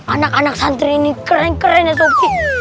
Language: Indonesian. anak anak santri ini keren keren ya sobji